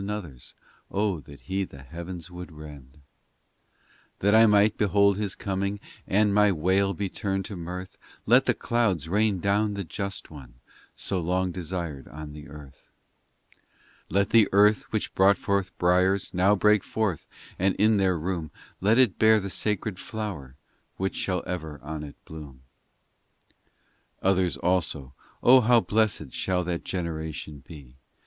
Another s, O that He the heavens would rend ! VI That I might behold His coming, And my wail be turned to mirth ; Let the clouds rain down the Just one, So long desired on the earth ; VII Let the earth which brought forth briers Now break forth, and in their room Let it bear the sacred flower Which shall ever on it bloom. POEMS 285 VIII Others also : O how blessed Shall that generation be